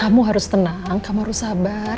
kamu harus tenang kamu harus sabar